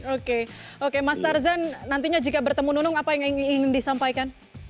oke oke mas tarzan nantinya jika bertemu nunung apa yang ingin disampaikan